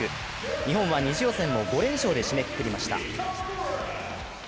日本は２次予選を５連勝で締めくくりました。